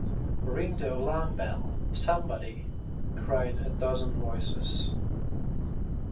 ‘Ring the alarm bell, somebody!’ cried a dozen voices.